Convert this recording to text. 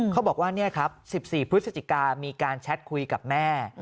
เขาบอกว่านี่ครับ๑๔พฤศจิกามีการแชทคุยกับแม่